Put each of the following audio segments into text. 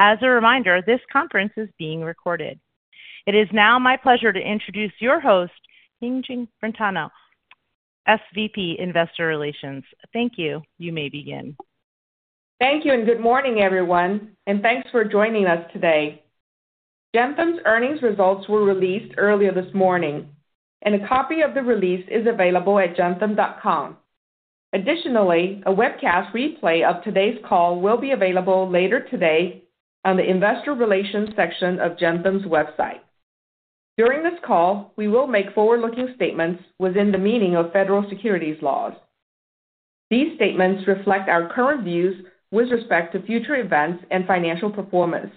As a reminder, this conference is being recorded. It is now my pleasure to introduce your host, Yijing Brentano, SVP, Investor Relations. Thank you, you may begin. Thank you and good morning, everyone, and thanks for joining us today. Gentherm's earnings results were released earlier this morning, and a copy of the release is available at gentherm.com. Additionally, a webcast replay of today's call will be available later today on the Investor Relations section of Gentherm's website. During this call, we will make forward-looking statements within the meaning of federal securities laws. These statements reflect our current views with respect to future events and financial performance,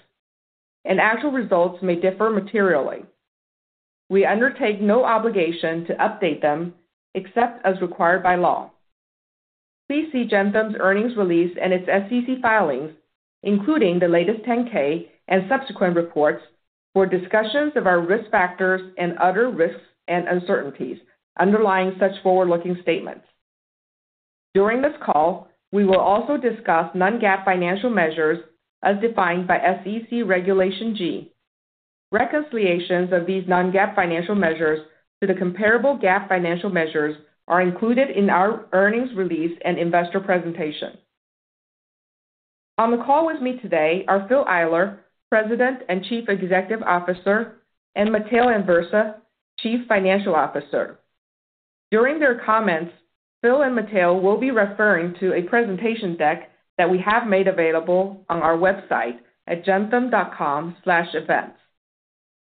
and actual results may differ materially. We undertake no obligation to update them except as required by law. Please see Gentherm's earnings release and its SEC filings, including the latest 10-K and subsequent reports, for discussions of our risk factors and other risks and uncertainties underlying such forward-looking statements. During this call, we will also discuss non-GAAP financial measures as defined by SEC Regulation G. Reconciliations of these non-GAAP financial measures to the comparable GAAP financial measures are included in our earnings release and investor presentation. On the call with me today are Phil Eyler, President and Chief Executive Officer, and Matteo Anversa, Chief Financial Officer. During their comments, Phil and Matteo will be referring to a presentation deck that we have made available on our website at gentherm.com/events.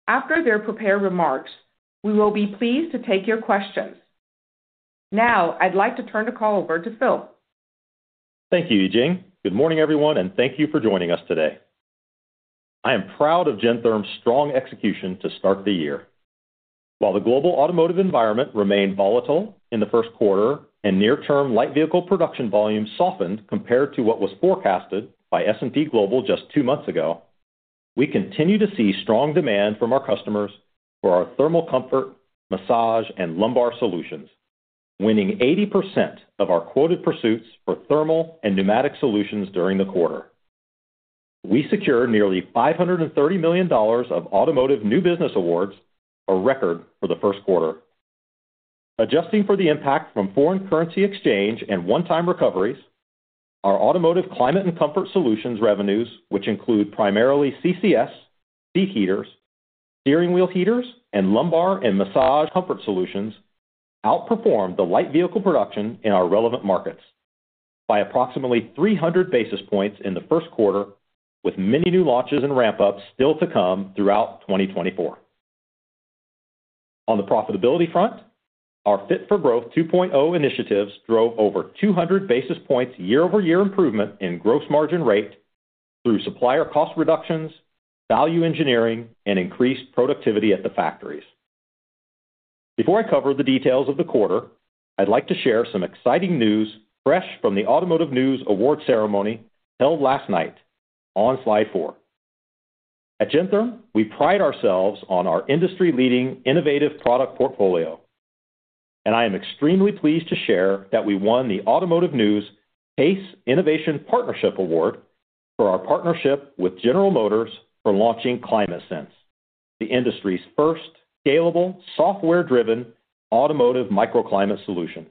After their prepared remarks, we will be pleased to take your questions. Now I'd like to turn the call over to Phil. Thank you, Yijing. Good morning, everyone, and thank you for joining us today. I am proud of Gentherm's strong execution to start the year. While the global automotive environment remained volatile in the first quarter and near-term light vehicle production volumes softened compared to what was forecasted by S&P Global just two months ago, we continue to see strong demand from our customers for our thermal comfort, massage, and lumbar solutions, winning 80% of our quoted pursuits for thermal and pneumatic solutions during the quarter. We secured nearly $530 million of automotive new business awards, a record for the first quarter. Adjusting for the impact from foreign currency exchange and one-time recoveries, our automotive climate and comfort solutions revenues, which include primarily CCS, seat heaters, steering wheel heaters, and lumbar and massage comfort solutions, outperformed the light vehicle production in our relevant markets by approximately 300 basis points in the first quarter, with many new launches and ramp-ups still to come throughout 2024. On the profitability front, our Fit-for-Growth 2.0 initiatives drove over 200 basis points year-over-year improvement in gross margin rate through supplier cost reductions, value engineering, and increased productivity at the factories. Before I cover the details of the quarter, I'd like to share some exciting news fresh from the Automotive News Awards ceremony held last night on Slide four. At Gentherm, we pride ourselves on our industry-leading innovative product portfolio, and I am extremely pleased to share that we won the Automotive News PACE Innovation Partnership Award for our partnership with General Motors for launching ClimateSense, the industry's first scalable, software-driven automotive microclimate solution.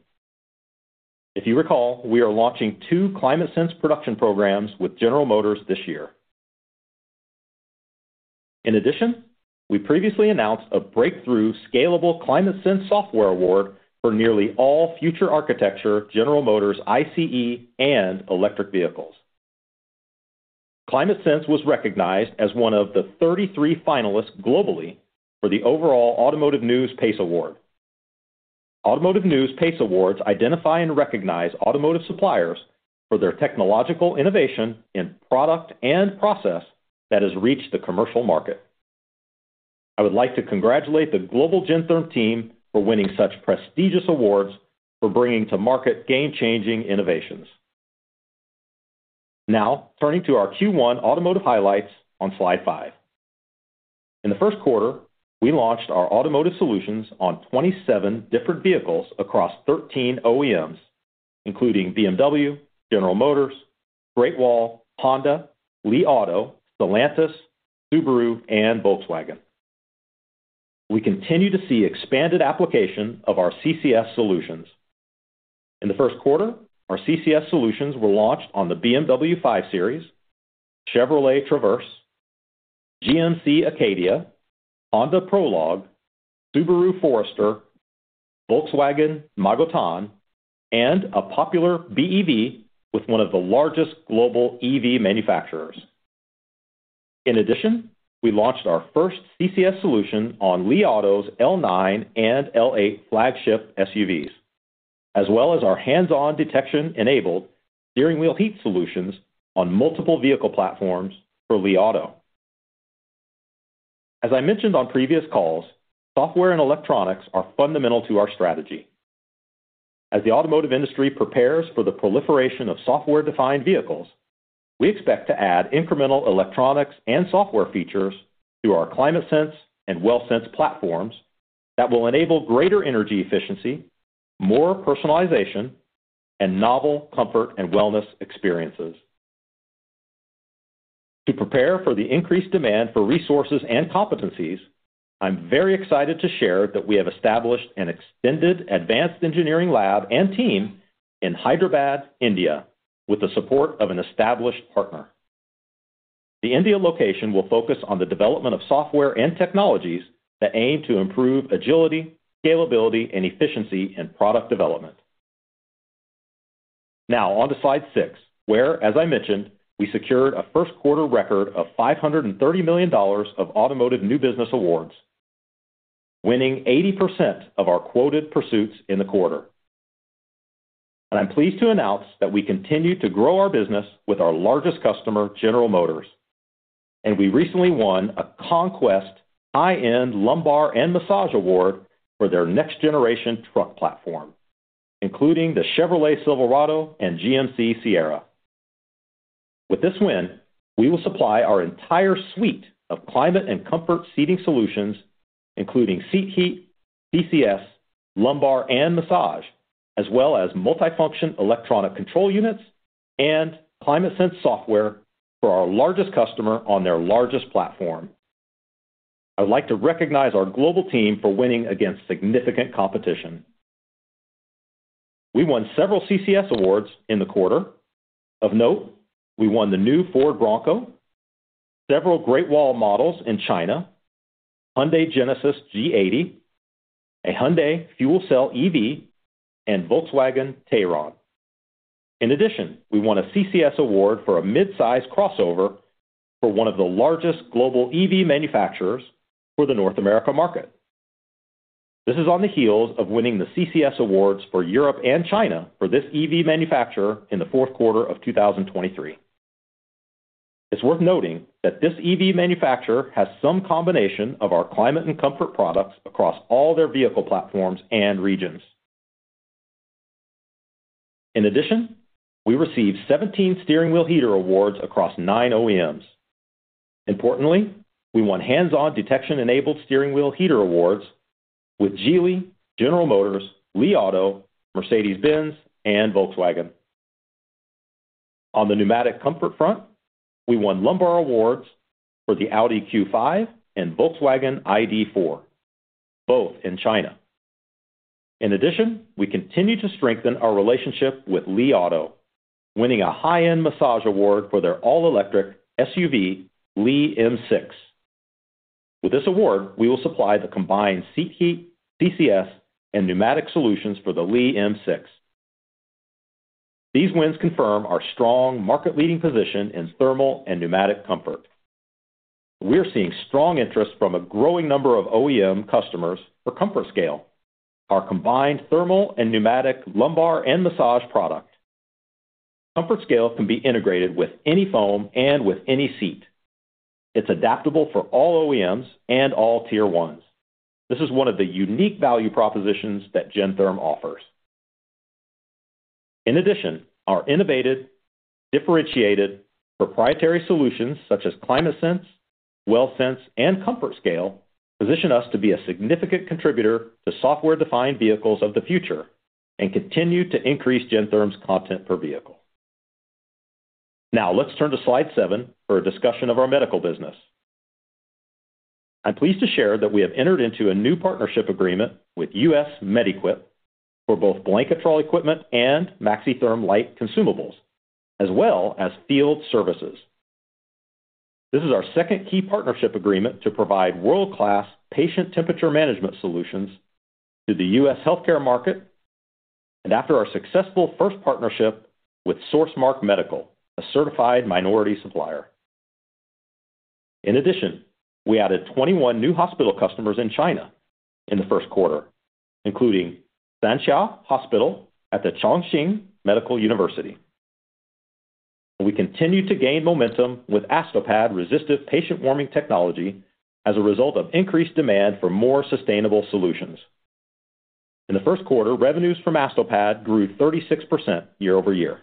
If you recall, we are launching two ClimateSense production programs with General Motors this year. In addition, we previously announced a breakthrough scalable ClimateSense software award for nearly all future architecture General Motors ICE and electric vehicles. ClimateSense was recognized as one of the 33 finalists globally for the overall Automotive News PACE Award. Automotive News PACE Awards identify and recognize automotive suppliers for their technological innovation in product and process that has reached the commercial market. I would like to congratulate the global Gentherm team for winning such prestigious awards for bringing to market game-changing innovations. Now, turning to our Q1 automotive highlights on Slide five. In the first quarter, we launched our automotive solutions on 27 different vehicles across 13 OEMs, including BMW, General Motors, Great Wall, Honda, Li Auto, Stellantis, Subaru, and Volkswagen. We continue to see expanded application of our CCS solutions. In the first quarter, our CCS solutions were launched on the BMW 5 Series, Chevrolet Traverse, GMC Acadia, Honda Prologue, Subaru Forester, Volkswagen Magotan, and a popular BEV with one of the largest global EV manufacturers. In addition, we launched our first CCS solution on Li Auto's L9 and L8 flagship SUVs, as well as our hands-on detection-enabled steering wheel heat solutions on multiple vehicle platforms for Li Auto. As I mentioned on previous calls, software and electronics are fundamental to our strategy. As the automotive industry prepares for the proliferation of software-defined vehicles, we expect to add incremental electronics and software features to our ClimateSense and WellSense platforms that will enable greater energy efficiency, more personalization, and novel comfort and wellness experiences. To prepare for the increased demand for resources and competencies, I'm very excited to share that we have established an extended advanced engineering lab and team in Hyderabad, India, with the support of an established partner. The India location will focus on the development of software and technologies that aim to improve agility, scalability, and efficiency in product development. Now, onto Slide six, where, as I mentioned, we secured a first-quarter record of $530 million of automotive new business awards, winning 80% of our quoted pursuits in the quarter. I'm pleased to announce that we continue to grow our business with our largest customer, General Motors, and we recently won a conquest high-end lumbar and massage award for their next-generation truck platform, including the Chevrolet Silverado and GMC Sierra. With this win, we will supply our entire suite of climate and comfort seating solutions, including seat heat, CCS, lumbar and massage, as well as multifunction electronic control units and ClimateSense software for our largest customer on their largest platform. I would like to recognize our global team for winning against significant competition. We won several CCS awards in the quarter. Of note, we won the new Ford Bronco, several Great Wall models in China, a Hyundai Genesis G80, a Hyundai fuel cell EV, and Volkswagen Tayron. In addition, we won a CCS award for a midsize crossover for one of the largest global EV manufacturers for the North America market. This is on the heels of winning the CCS awards for Europe and China for this EV manufacturer in the fourth quarter of 2023. It's worth noting that this EV manufacturer has some combination of our climate and comfort products across all their vehicle platforms and regions. In addition, we received 17 steering wheel heater awards across 9 OEMs. Importantly, we won hands-on detection-enabled steering wheel heater awards with Geely, General Motors, Li Auto, Mercedes-Benz, and Volkswagen. On the pneumatic comfort front, we won lumbar awards for the Audi Q5 and Volkswagen ID.4, both in China. In addition, we continue to strengthen our relationship with Li Auto, winning a high-end massage award for their all-electric SUV Li L6. With this award, we will supply the combined seat heat, CCS, and pneumatic solutions for the Li L6. These wins confirm our strong market-leading position in thermal and pneumatic comfort. We're seeing strong interest from a growing number of OEM customers for ComfortScale, our combined thermal and pneumatic lumbar and massage product. ComfortScale can be integrated with any foam and with any seat. It's adaptable for all OEMs and all Tier 1s. This is one of the unique value propositions that Gentherm offers. In addition, our innovative, differentiated, proprietary solutions such as ClimateSense, WellSense, and ComfortScale position us to be a significant contributor to software-defined vehicles of the future and continue to increase Gentherm's content per vehicle. Now, let's turn to Slide seven for a discussion of our medical business. I'm pleased to share that we have entered into a new partnership agreement with US Med-Equip for both blanket control equipment and MaxiTherm line consumables, as well as field services. This is our second key partnership agreement to provide world-class patient temperature management solutions to the U.S. healthcare market and after our successful first partnership with SourceMark Medical, a certified minority supplier. In addition, we added 21 new hospital customers in China in the first quarter, including Sanxia Hospital at the Chongqing Medical University. We continue to gain momentum with Astopad resistive patient warming technology as a result of increased demand for more sustainable solutions. In the first quarter, revenues from Astopad grew 36% year-over-year.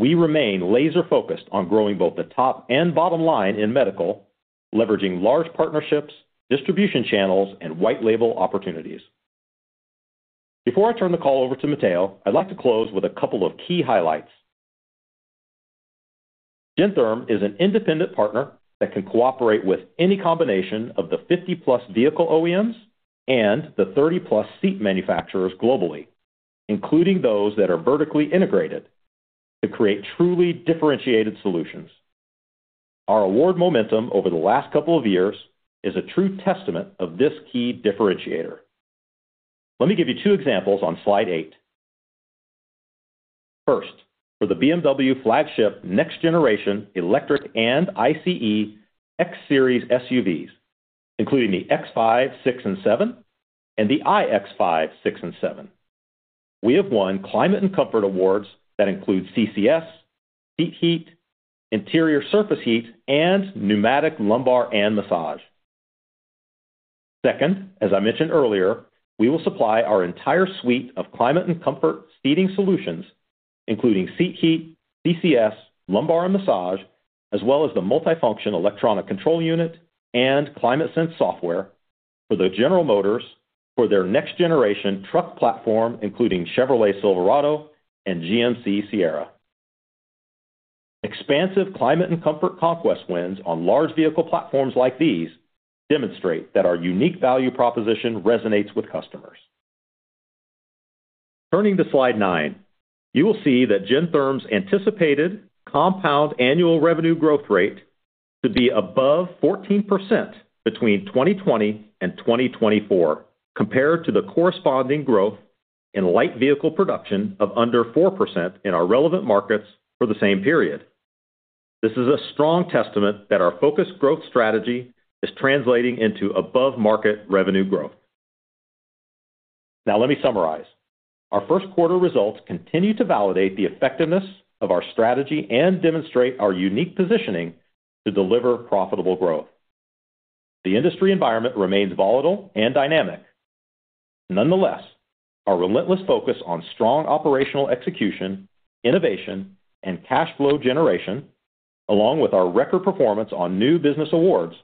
We remain laser-focused on growing both the top and bottom line in medical, leveraging large partnerships, distribution channels, and white-label opportunities. Before I turn the call over to Matteo, I'd like to close with a couple of key highlights. Gentherm is an independent partner that can cooperate with any combination of the 50+ vehicle OEMs and the 30+ seat manufacturers globally, including those that are vertically integrated, to create truly differentiated solutions. Our award momentum over the last couple of years is a true testament of this key differentiator. Let me give you two examples on Slide eight. First, for the BMW flagship next-generation electric and ICE X-Series SUVs, including the X5, X6, and X7, and the iX5, iX6, and iX7, we have won climate and comfort awards that include CCS, seat heat, interior surface heat, and pneumatic lumbar and massage. Second, as I mentioned earlier, we will supply our entire suite of climate and comfort seating solutions, including seat heat, CCS, lumbar and massage, as well as the multifunction electronic control unit and ClimateSense software for the General Motors for their next-generation truck platform, including Chevrolet Silverado and GMC Sierra. Expansive climate and comfort conquest wins on large vehicle platforms like these demonstrate that our unique value proposition resonates with customers. Turning to Slide nine, you will see that Gentherm's anticipated compound annual revenue growth rate should be above 14% between 2020 and 2024 compared to the corresponding growth in light vehicle production of under 4% in our relevant markets for the same period. This is a strong testament that our focused growth strategy is translating into above-market revenue growth. Now, let me summarize. Our first-quarter results continue to validate the effectiveness of our strategy and demonstrate our unique positioning to deliver profitable growth. The industry environment remains volatile and dynamic. Nonetheless, our relentless focus on strong operational execution, innovation, and cash flow generation, along with our record performance on new business awards,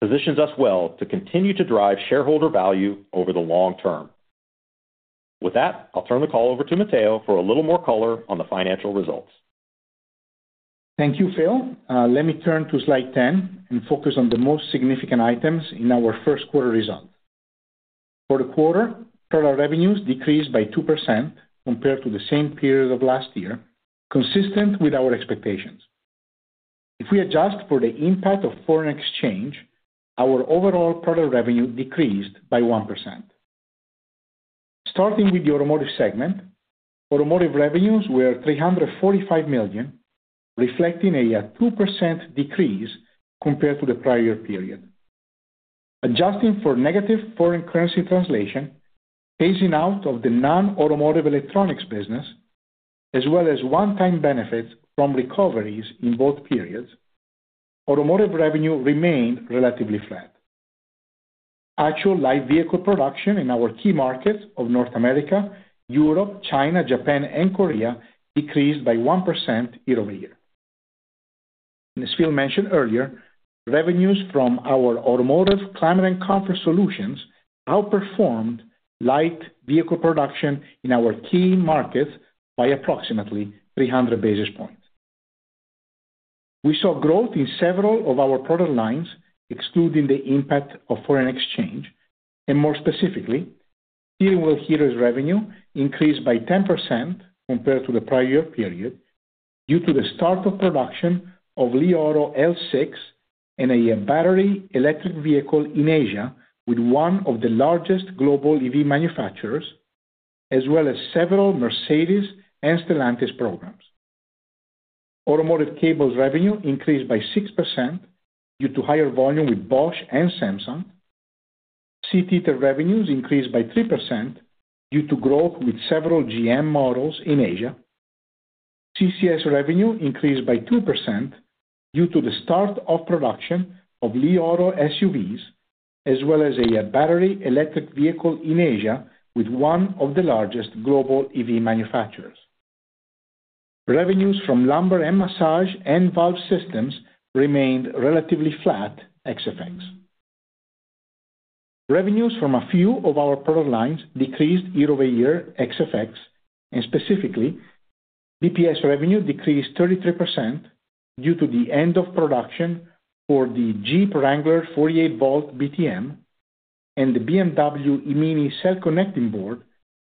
positions us well to continue to drive shareholder value over the long term. With that, I'll turn the call over to Matteo for a little more color on the financial results. Thank you, Phil. Let me turn to Slide 10 and focus on the most significant items in our first-quarter result. For the quarter, total revenues decreased by 2% compared to the same period of last year, consistent with our expectations. If we adjust for the impact of foreign exchange, our overall total revenue decreased by 1%. Starting with the automotive segment, automotive revenues were $345 million, reflecting a 2% decrease compared to the prior period. Adjusting for negative foreign currency translation, phasing out of the non-automotive electronics business, as well as one-time benefits from recoveries in both periods, automotive revenue remained relatively flat. Actual light vehicle production in our key markets of North America, Europe, China, Japan, and Korea decreased by 1% year-over-year. As Phil mentioned earlier, revenues from our automotive climate and comfort solutions outperformed light vehicle production in our key markets by approximately 300 basis points. We saw growth in several of our product lines, excluding the impact of foreign exchange, and more specifically, steering wheel heaters revenue increased by 10% compared to the prior period due to the start of production of Li Auto L6 and a battery electric vehicle in Asia with one of the largest global EV manufacturers, as well as several Mercedes and Stellantis programs. Automotive cables revenue increased by 6% due to higher volume with Bosch and Samsung. Seat heater revenues increased by 3% due to growth with several GM models in Asia. CCS revenue increased by 2% due to the start of production of Li Auto SUVs, as well as a battery electric vehicle in Asia with one of the largest global EV manufacturers. Revenues from lumbar and massage and valve systems remained relatively flat, ex FX. Revenues from a few of our product lines decreased year-over-year, FX, and specifically, BPS revenue decreased 33% due to the end of production for the Jeep Wrangler 48-volt BTM and the BMW i / MINI cell connecting board,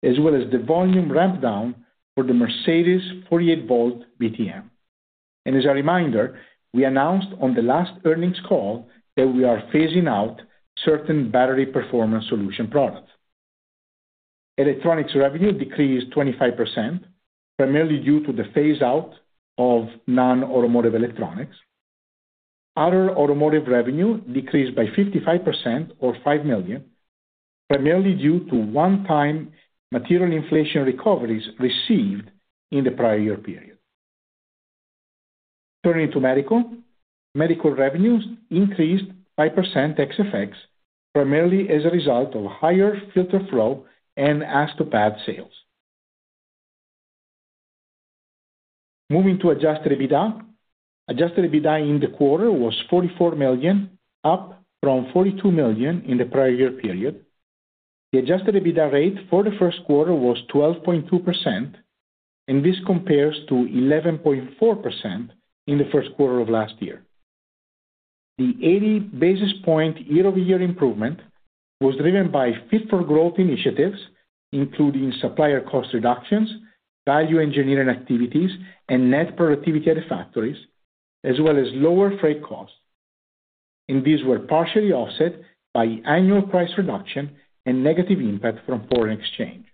as well as the volume rampdown for the Mercedes 48-volt BTM. And as a reminder, we announced on the last earnings call that we are phasing out certain battery performance solution products. Electronics revenue decreased 25%, primarily due to the phase-out of non-automotive electronics. Other automotive revenue decreased by 55% or $5 million, primarily due to one-time material inflation recoveries received in the prior period. Turning to medical, medical revenues increased 5%, FX, primarily as a result of higher FilteredFlo and Astopad sales. Moving to adjusted EBITDA, adjusted EBITDA in the quarter was $44 million, up from $42 million in the prior period. The adjusted EBITDA rate for the first quarter was 12.2%, and this compares to 11.4% in the first quarter of last year. The 80 basis point year-over-year improvement was driven by Fit-for-Growth initiatives, including supplier cost reductions, value engineering activities, and net productivity at the factories, as well as lower freight costs. And these were partially offset by annual price reduction and negative impact from foreign exchange.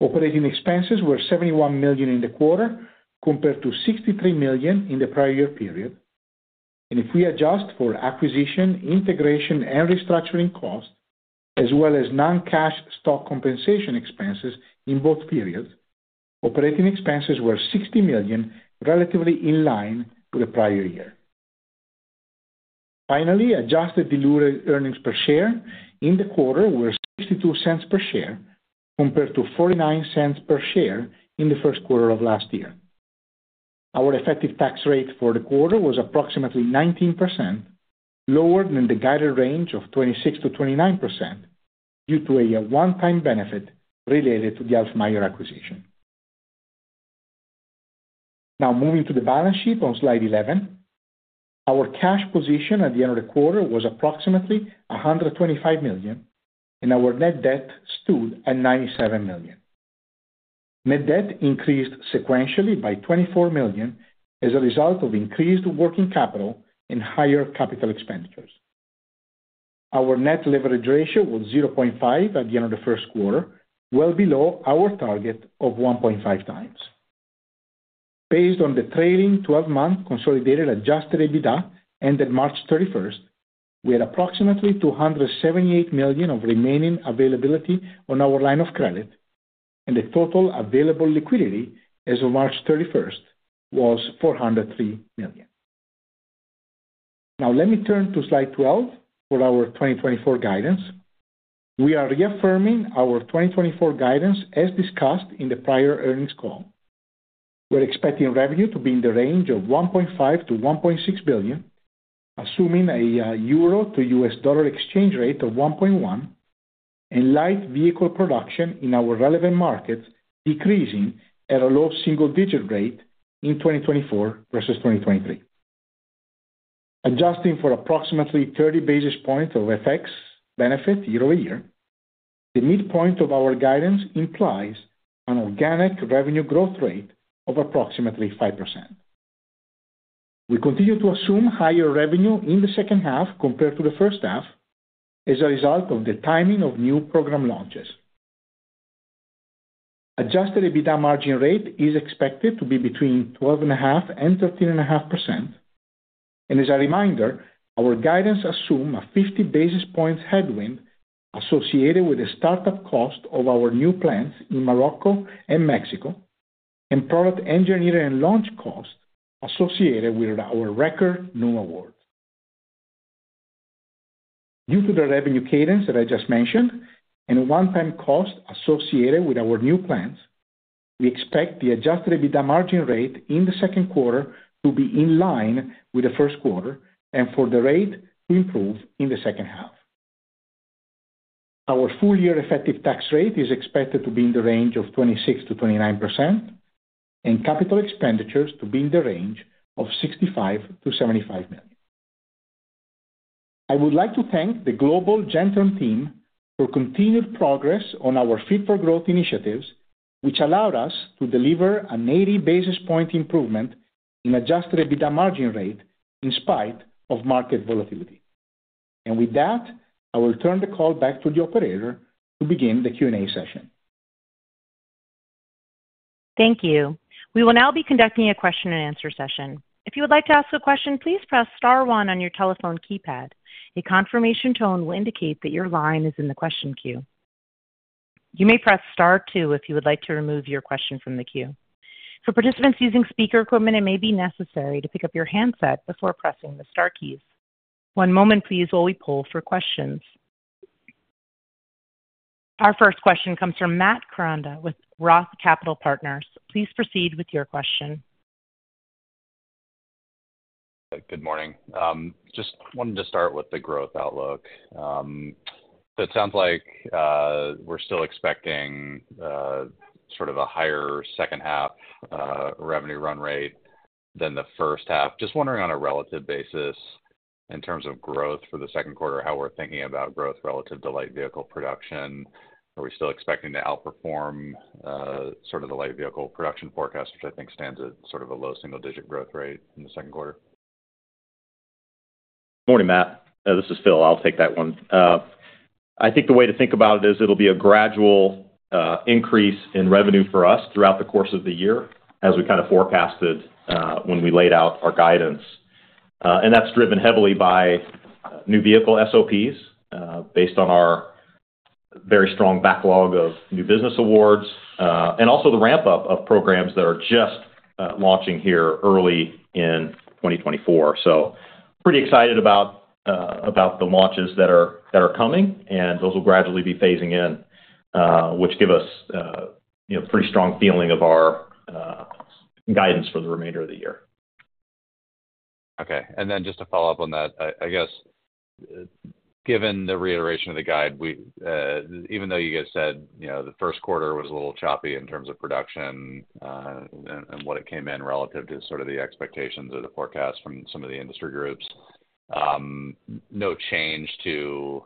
Operating expenses were $71 million in the quarter compared to $63 million in the prior period. And if we adjust for acquisition, integration, and restructuring costs, as well as non-cash stock compensation expenses in both periods, operating expenses were $60 million, relatively in line with the prior year. Finally, adjusted diluted earnings per share in the quarter were $0.62 per share compared to $0.49 per share in the first quarter of last year. Our effective tax rate for the quarter was approximately 19%, lower than the guided range of 26%-29% due to a one-time benefit related to the Alfmeier acquisition. Now, moving to the balance sheet on Slide 11, our cash position at the end of the quarter was approximately $125 million, and our net debt stood at $97 million. Net debt increased sequentially by $24 million as a result of increased working capital and higher capital expenditures. Our net leverage ratio was 0.5 at the end of the first quarter, well below our target of 1.5x. Based on the trailing 12-month consolidated adjusted EBITDA ended March 31st, we had approximately $278 million of remaining availability on our line of credit, and the total available liquidity as of March 31st was $403 million. Now, let me turn to Slide 12 for our 2024 guidance. We are reaffirming our 2024 guidance as discussed in the prior earnings call. We're expecting revenue to be in the range of $1.5 billion-$1.6 billion, assuming a euro to U.S. dollar exchange rate of 1.1, and light vehicle production in our relevant markets decreasing at a low single-digit rate in 2024 versus 2023. Adjusting for approximately 30 basis points of FX benefit year-over-year, the midpoint of our guidance implies an organic revenue growth rate of approximately 5%. We continue to assume higher revenue in the second half compared to the first half as a result of the timing of new program launches. Adjusted EBITDA margin rate is expected to be between 12.5%-13.5%. As a reminder, our guidance assumes a 50 basis points headwind associated with the startup cost of our new plants in Morocco and Mexico and product engineering and launch cost associated with our record lumbar award. Due to the revenue cadence that I just mentioned and the one-time cost associated with our new plants, we expect the Adjusted EBITDA margin rate in the second quarter to be in line with the first quarter and for the rate to improve in the second half. Our full-year effective tax rate is expected to be in the range of 26%-29% and capital expenditures to be in the range of $65 million-$75 million. I would like to thank the global Gentherm team for continued progress on our Fit-for-Growth initiatives, which allowed us to deliver an 80 basis point improvement in Adjusted EBITDA margin rate in spite of market volatility. With that, I will turn the call back to the operator to begin the Q&A session. Thank you. We will now be conducting a question-and-answer session. If you would like to ask a question, please press star one on your telephone keypad. A confirmation tone will indicate that your line is in the question queue. You may press star two if you would like to remove your question from the queue. For participants using speaker equipment, it may be necessary to pick up your handset before pressing the star keys. One moment, please, while we pull for questions. Our first question comes from Matt Koranda with Roth Capital Partners. Please proceed with your question. Good morning. Just wanted to start with the growth outlook. It sounds like we're still expecting sort of a higher second half revenue run rate than the first half. Just wondering on a relative basis in terms of growth for the second quarter, how we're thinking about growth relative to light vehicle production. Are we still expecting to outperform sort of the light vehicle production forecast, which I think stands at sort of a low single-digit growth rate in the second quarter? Good morning, Matt. This is Phil. I'll take that one. I think the way to think about it is it'll be a gradual increase in revenue for us throughout the course of the year as we kind of forecasted when we laid out our guidance. And that's driven heavily by new vehicle SOPs based on our very strong backlog of new business awards and also the ramp-up of programs that are just launching here early in 2024. So pretty excited about the launches that are coming, and those will gradually be phasing in, which give us a pretty strong feeling of our guidance for the remainder of the year. Okay. And then just to follow up on that, I guess, given the reiteration of the guide, even though you guys said the first quarter was a little choppy in terms of production and what it came in relative to sort of the expectations or the forecasts from some of the industry groups, no change to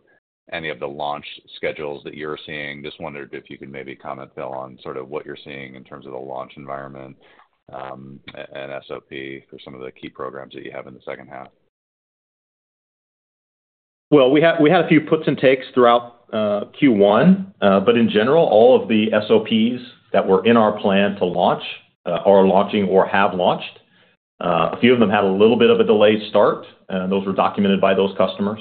any of the launch schedules that you're seeing. Just wondered if you could maybe comment, Phil, on sort of what you're seeing in terms of the launch environment and SOP for some of the key programs that you have in the second half. Well, we had a few puts and takes throughout Q1. But in general, all of the SOPs that were in our plan to launch are launching or have launched. A few of them had a little bit of a delayed start, and those were documented by those customers.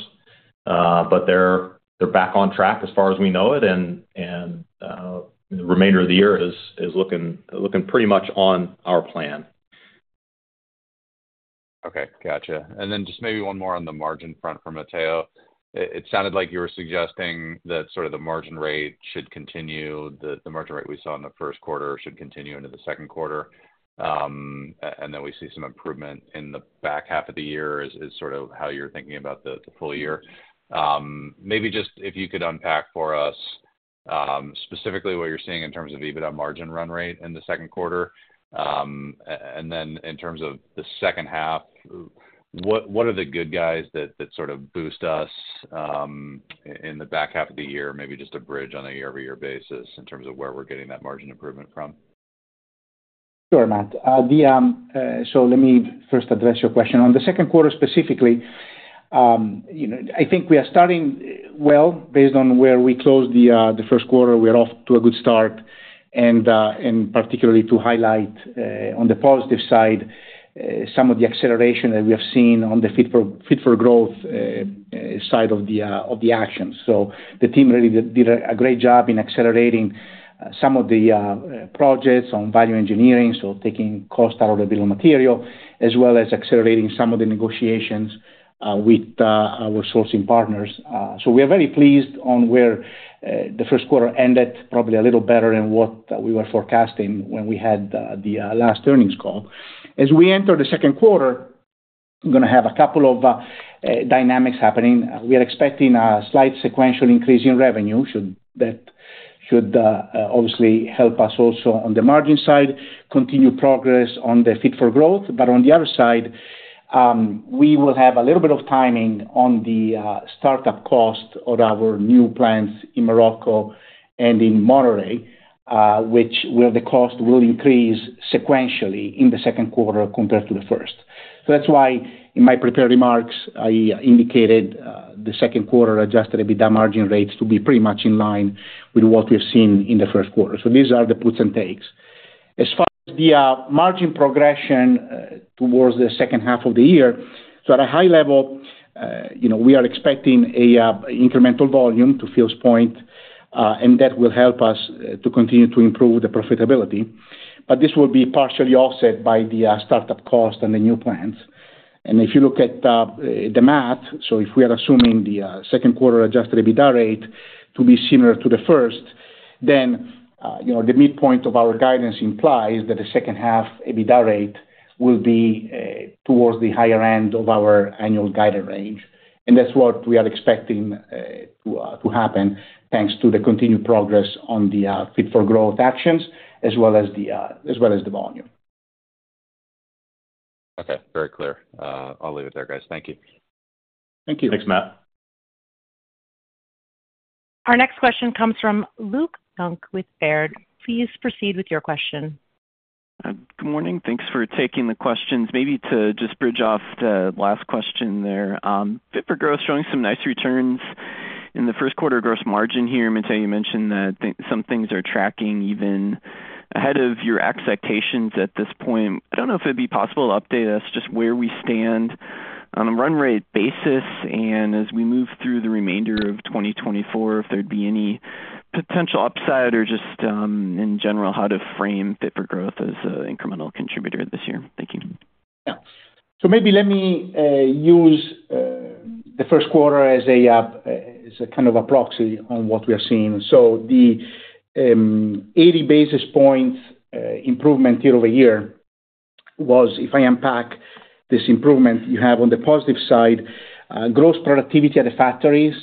But they're back on track as far as we know it, and the remainder of the year is looking pretty much on our plan. Okay. Gotcha. And then just maybe one more on the margin front for Matteo. It sounded like you were suggesting that sort of the margin rate should continue the margin rate we saw in the first quarter should continue into the second quarter, and then we see some improvement in the back half of the year is sort of how you're thinking about the full year. Maybe just if you could unpack for us specifically what you're seeing in terms of EBITDA margin run rate in the second quarter. And then in terms of the second half, what are the good guys that sort of boost us in the back half of the year, maybe just a bridge on a year-over-year basis in terms of where we're getting that margin improvement from? Sure, Matt. So let me first address your question. On the second quarter specifically, I think we are starting well. Based on where we closed the first quarter, we are off to a good start. And particularly to highlight on the positive side some of the acceleration that we have seen Fit-for-Growth side of the actions. So the team really did a great job in accelerating some of the projects on value engineering, so taking cost out of the bill of material, as well as accelerating some of the negotiations with our sourcing partners. So we are very pleased on where the first quarter ended, probably a little better than what we were forecasting when we had the last earnings call. As we enter the second quarter, we're going to have a couple of dynamics happening. We are expecting a slight sequential increase in revenue. That should obviously help us also on the margin side, continue progress on the Fit-for-Growth. But on the other side, we will have a little bit of timing on the startup cost of our new plants in Morocco and in Monterrey, where the cost will increase sequentially in the second quarter compared to the first. So that's why in my prepared remarks, I indicated the second quarter Adjusted EBITDA margin rates to be pretty much in line with what we have seen in the first quarter. So these are the puts and takes. As far as the margin progression towards the second half of the year, so at a high level, we are expecting an incremental volume to Phil's point, and that will help us to continue to improve the profitability. But this will be partially offset by the startup cost and the new plants. If you look at the math, so if we are assuming the second quarter Adjusted EBITDA rate to be similar to the first, then the midpoint of our guidance implies that the second half EBITDA rate will be towards the higher end of our annual guided range. That's what we are expecting to happen thanks to the continued progress Fit-for-Growth actions as well as the volume. Okay. Very clear. I'll leave it there, guys. Thank you. Thank you. Thanks, Matt. Our next question comes from Luke Junk with Baird. Please proceed with your question. Good morning. Thanks for taking the questions. Maybe to just bridge off the last Fit-for-Growth showing some nice returns in the first quarter gross margin here. Matteo, you mentioned that some things are tracking even ahead of your expectations at this point. I don't know if it'd be possible to update us just where we stand on a run-rate basis and as we move through the remainder of 2024, if there'd be any potential upside or just in general how Fit-for-Growth as an incremental contributor this year. Thank you. Yeah. So maybe let me use the first quarter as a kind of a proxy on what we are seeing. So the 80 basis points improvement year-over-year was, if I unpack this improvement you have on the positive side, gross productivity at the factories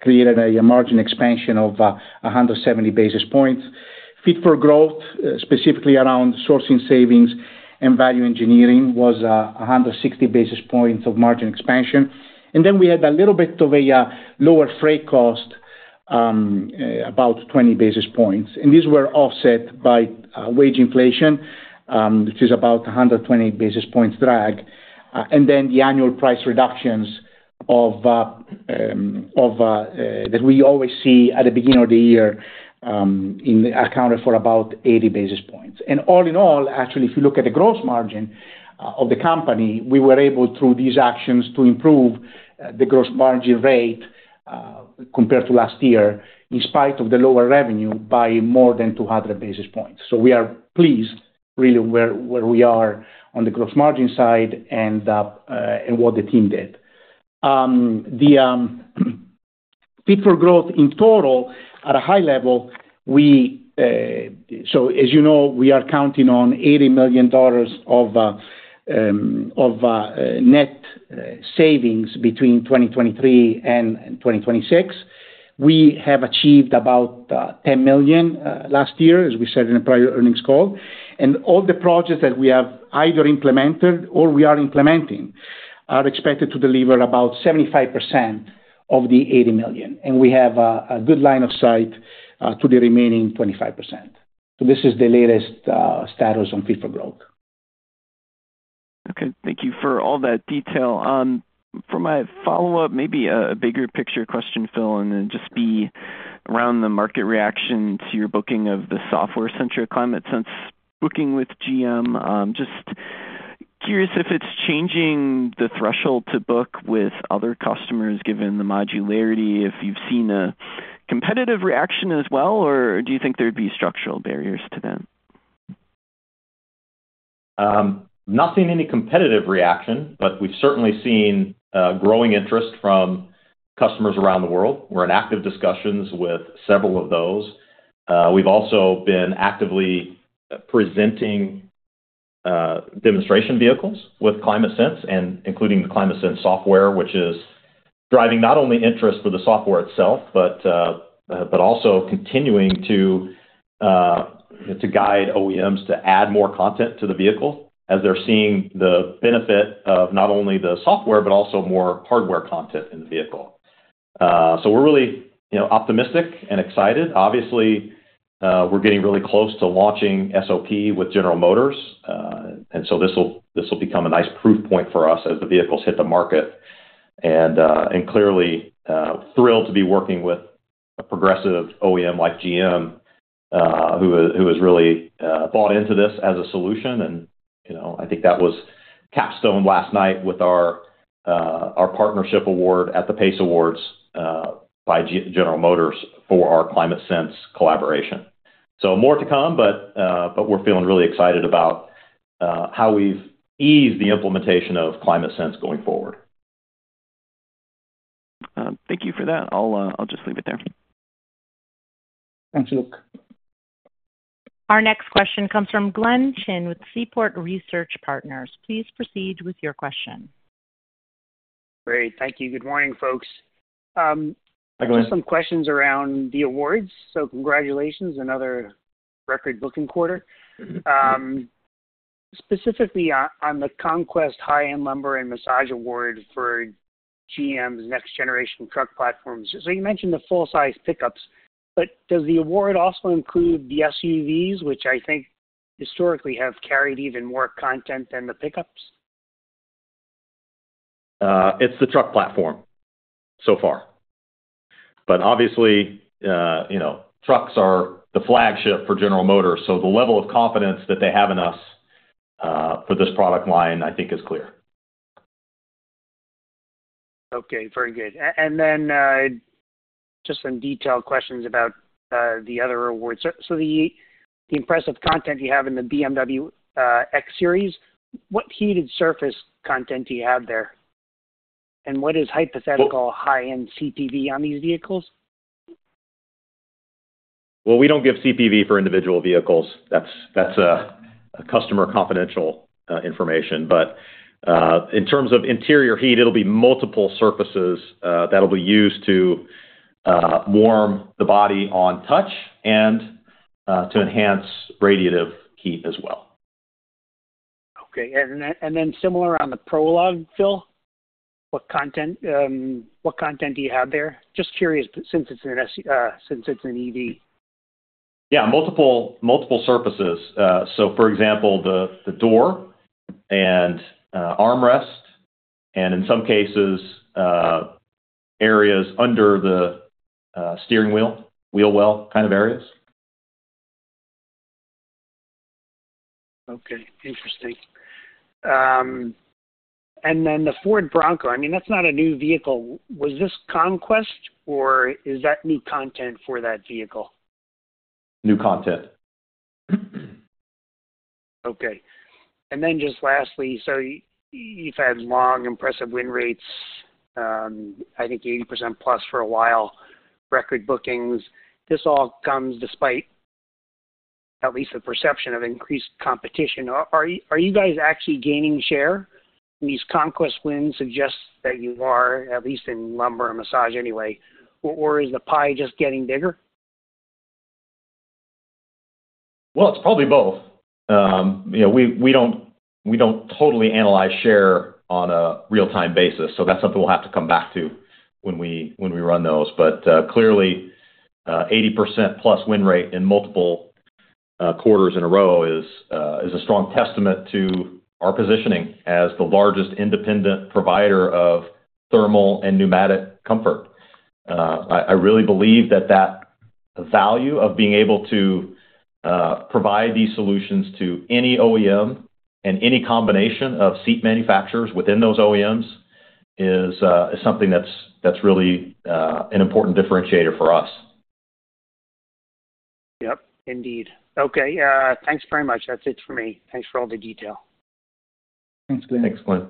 created a margin expansion of 170 Fit-for-Growth, specifically around sourcing savings and value engineering, was 160 basis points of margin expansion. And then we had a little bit of a lower freight cost, about 20 basis points. And these were offset by wage inflation, which is about 120 basis points drag, and then the annual price reductions that we always see at the beginning of the year accounted for about 80 basis points. And all in all, actually, if you look at the gross margin of the company, we were able, through these actions, to improve the gross margin rate compared to last year in spite of the lower revenue by more than 200 basis points. So we are pleased, really, where we are on the gross margin side and what the team did. The Fit-for-Growth in total, at a high level, we so as you know, we are counting on $80 million of net savings between 2023 and 2026. We have achieved about $10 million last year, as we said in a prior earnings call. And all the projects that we have either implemented or we are implementing are expected to deliver about 75% of the $80 million. And we have a good line of sight to the remaining 25%. So this is the latest status on Fit-for-Growth. Okay. Thank you for all that detail. For my follow-up, maybe a bigger picture question, Phil, and then just be around the market reaction to your booking of the software-centric ClimateSense booking with GM. Just curious if it's changing the threshold to book with other customers given the modularity, if you've seen a competitive reaction as well, or do you think there'd be structural barriers to that? Not seen any competitive reaction, but we've certainly seen growing interest from customers around the world. We're in active discussions with several of those. We've also been actively presenting demonstration vehicles with ClimateSense and including the ClimateSense software, which is driving not only interest for the software itself but also continuing to guide OEMs to add more content to the vehicle as they're seeing the benefit of not only the software but also more hardware content in the vehicle. So we're really optimistic and excited. Obviously, we're getting really close to launching SOP with General Motors. And so this will become a nice proof point for us as the vehicles hit the market. And clearly thrilled to be working with a progressive OEM like GM who has really bought into this as a solution. I think that was the capstone last night with our partnership award at the PACE Awards by General Motors for our ClimateSense collaboration. More to come, but we're feeling really excited about how we've eased the implementation of ClimateSense going forward. Thank you for that. I'll just leave it there. Thanks, Luke. Our next question comes from Glenn Chin with Seaport Research Partners. Please proceed with your question. Great. Thank you. Good morning, folks. Hi, Glenn. Just some questions around the awards. So congratulations, another record booking quarter. Specifically on the conquest high-end lumbar and massage award for GM's next-generation truck platforms. So you mentioned the full-size pickups, but does the award also include the SUVs, which I think historically have carried even more content than the pickups? It's the truck platform so far. But obviously, trucks are the flagship for General Motors, so the level of confidence that they have in us for this product line, I think, is clear. Okay. Very good. Then just some detailed questions about the other awards. The impressive content you have in the BMW X-Series, what heated surface content do you have there? And what is hypothetical high-end CPV on these vehicles? Well, we don't give CPV for individual vehicles. That's a customer confidential information. But in terms of interior heat, it'll be multiple surfaces that'll be used to warm the body on touch and to enhance radiative heat as well. Okay. And then similar on the Prologue, Phil, what content do you have there? Just curious since it's an EV. Yeah. Multiple surfaces. So for example, the door and armrest and in some cases, areas under the steering wheel, wheel well kind of areas. Okay. Interesting. And then the Ford Bronco, I mean, that's not a new vehicle. Was this Conquest, or is that new content for that vehicle? New content. Okay. Then just lastly, you've had long, impressive win rates, I think 80%+ for a while, record bookings. This all comes despite, at least, the perception of increased competition. Are you guys actually gaining share? I mean, these conquest wins suggest that you are, at least in lumbar and massage anyway. Or is the pie just getting bigger? Well, it's probably both. We don't totally analyze share on a real-time basis, so that's something we'll have to come back to when we run those. But clearly, 80%+ win rate in multiple quarters in a row is a strong testament to our positioning as the largest independent provider of thermal and pneumatic comfort. I really believe that that value of being able to provide these solutions to any OEM and any combination of seat manufacturers within those OEMs is something that's really an important differentiator for us. Yep. Indeed. Okay. Thanks very much. That's it for me. Thanks for all the detail. Thanks, Glenn. Thanks, Glenn.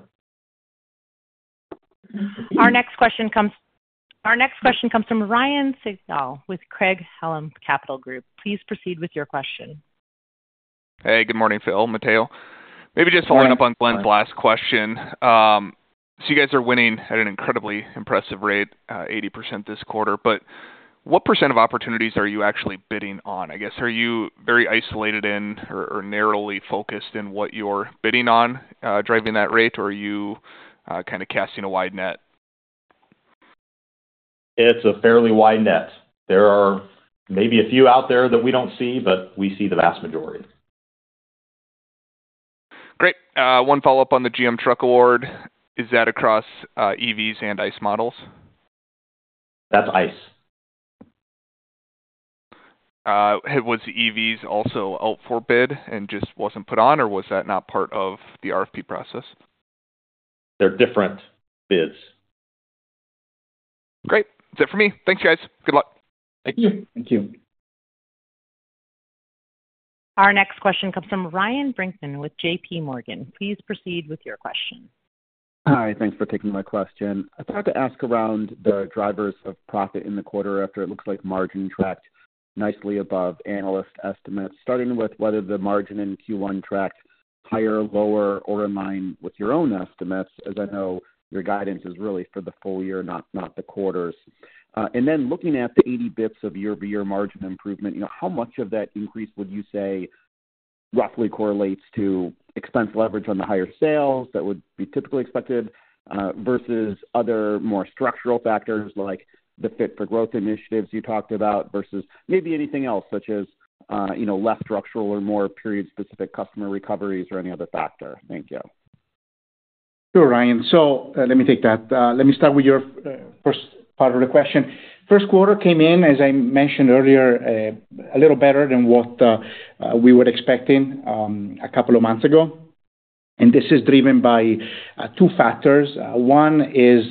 Our next question comes from Ryan Sigdahl with Craig-Hallum Capital Group. Please proceed with your question. Hey. Good morning, Phil. Matteo. Maybe just following up on Glenn's last question. So you guys are winning at an incredibly impressive rate, 80% this quarter. But what % of opportunities are you actually bidding on? I guess, are you very isolated in or narrowly focused in what you're bidding on driving that rate, or are you kind of casting a wide net? It's a fairly wide net. There are maybe a few out there that we don't see, but we see the vast majority. Great. One follow-up on the GM Truck Award. Is that across EVs and ICE models? That's ICE. Was EVs also out for bid and just wasn't put on, or was that not part of the RFP process? They're different bids. Great. That's it for me. Thanks, guys. Good luck. Thank you. Thank you. Our next question comes from Ryan Brinkman with JPMorgan. Please proceed with your question. Hi. Thanks for taking my question. I thought to ask around the drivers of profit in the quarter after it looks like margin tracked nicely above analyst estimates, starting with whether the margin in Q1 tracked higher, lower, or in line with your own estimates, as I know your guidance is really for the full year, not the quarters. And then looking at the 80 basis points of year-over-year margin improvement, how much of that increase would you say roughly correlates to expense leverage on the higher sales that would be typically expected versus other more structural factors like the Fit-for-Growth initiatives you talked about versus maybe anything else such as less structural or more period-specific customer recoveries or any other factor? Thank you. Sure, Ryan. So let me take that. Let me start with your first part of the question. First quarter came in, as I mentioned earlier, a little better than what we were expecting a couple of months ago. This is driven by two factors. One is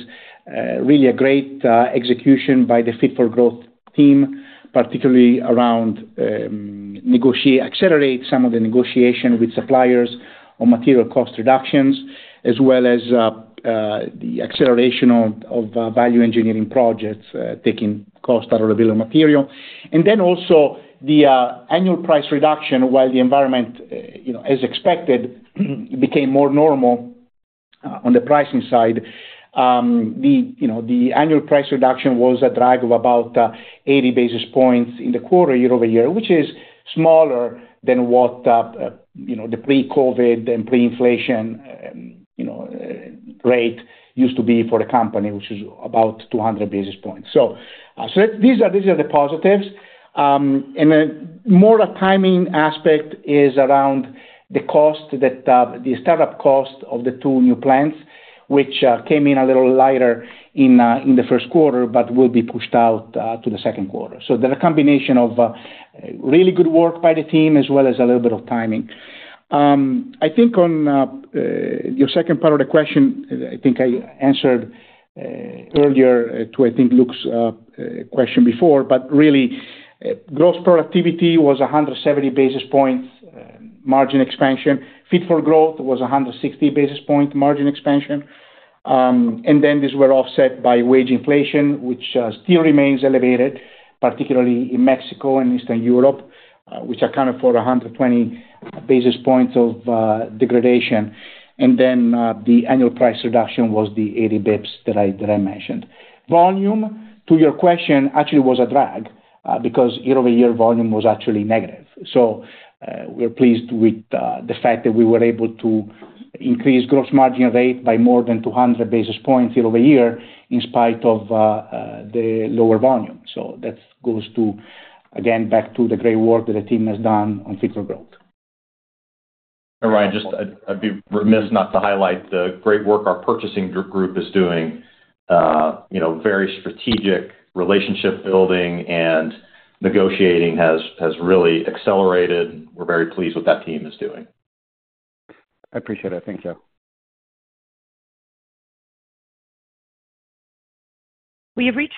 really a great execution Fit-for-Growth team, particularly around negotiate accelerate some of the negotiation with suppliers on material cost reductions as well as the acceleration of value engineering projects taking cost out of the bill of material. Then also the annual price reduction while the environment, as expected, became more normal on the pricing side. The annual price reduction was a drag of about 80 basis points in the quarter year-over-year, which is smaller than what the pre-COVID and pre-inflation rate used to be for the company, which is about 200 basis points. So these are the positives. And then more a timing aspect is around the startup cost of the two new plants, which came in a little lighter in the first quarter but will be pushed out to the second quarter. So there's a combination of really good work by the team as well as a little bit of timing. I think on your second part of the question, I think I answered earlier to, I think, Luke's question before. But really, gross productivity was 170 basis points Fit-for-Growth was 160 basis points margin expansion. And then these were offset by wage inflation, which still remains elevated, particularly in Mexico and Eastern Europe, which accounted for 120 basis points of degradation. And then the annual price reduction was the 80 basis points that I mentioned. Volume, to your question, actually was a drag because year-over-year volume was actually negative. So we're pleased with the fact that we were able to increase gross margin rate by more than 200 basis points year-over-year in spite of the lower volume. So that goes again back to the great work that the team has done on Fit-for-Growth. Ryan, I'd be remiss not to highlight the great work our purchasing group is doing. Very strategic relationship building and negotiating has really accelerated. We're very pleased with what that team is doing. I appreciate it. Thank you. We have reached.